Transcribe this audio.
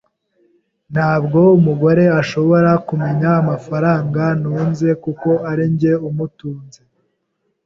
Ntabwo umugore ashobora kumenya amafaranga ntunze kuko arinjye umutunze